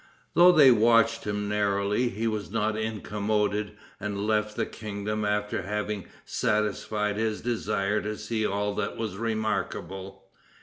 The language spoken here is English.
Though they watched him narrowly, he was not incommoded, and left the kingdom after having satisfied his desire to see all that was remarkable.